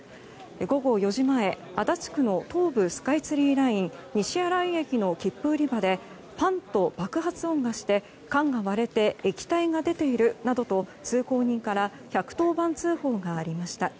午後４時前、足立区の東武スカイツリーライン西新井駅の切符売り場でパンッと爆発音がして缶が割れて液体が出ているなどと通行人から１１０番通報がありました。